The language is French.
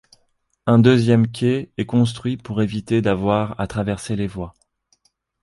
Un deuxième quai est construit pour éviter d'avoir à traverser les voies.